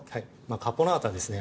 「カポナータ」はですね